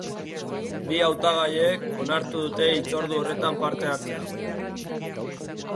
Bi hautagaiek onartu dute hitzordu horretan parte hartzea.